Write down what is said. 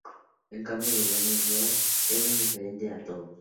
En cambio, Giuliano Gemma era diferente a todos.